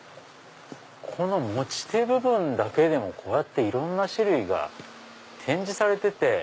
持ち手部分だけでもこうやっていろんな種類が展示されてて。